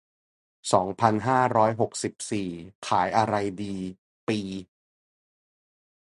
สองพันห้าร้อยหกสิบสี่ ขายอะไรดี ปี